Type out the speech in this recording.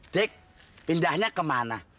dik pindahnya kemana